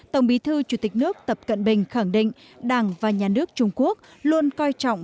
tổng bí thư chủ tịch nước tập cận bình khẳng định đảng và nhà nước trung quốc luôn coi trọng